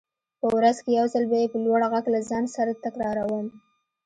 په ورځ کې يو ځل به يې په لوړ غږ له ځان سره تکراروم.